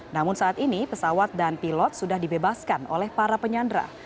namun saat ini pesawat dan pilot sudah dibebaskan oleh para penyandra